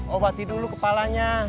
obati dulu kepalanya